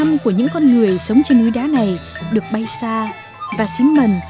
một mùa xuân mới nữa lại về với xã nấm dần huyện xín mần